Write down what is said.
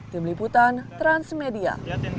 tim liputan transmedia